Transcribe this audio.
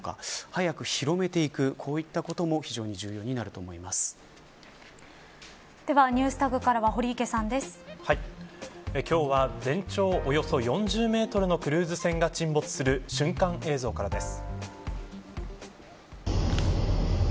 早く広めていくこういったこともではＮｅｗｓＴａｇからは今日は全長およそ４０メートルのクルーズ船が沈没する瞬間映像からです。